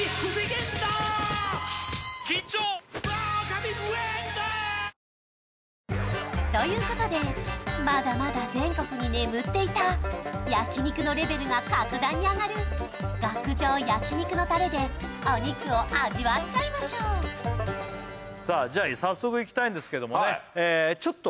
楽しみということでまだまだ全国に眠っていた焼肉のレベルが格段に上がる極上焼肉のタレでお肉を味わっちゃいましょうさあじゃ早速いきたいんですけどもね